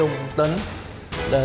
trong gương mưa